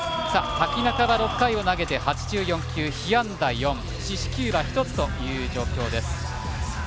瀧中が６回を投げて８４球被安打４四死球は１つという状況です。